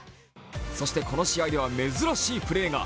そして、この試合では珍しいプレーが。